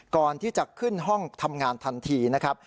ก่อนที่จะขึ้นห้องทำงานทันทีนะครับ